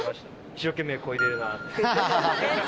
一生懸命こいでるなって。